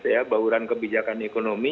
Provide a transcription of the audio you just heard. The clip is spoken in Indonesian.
policy mix bahuran kebijakan ekonomi